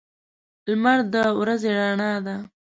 لمر د ورځې رڼا ده.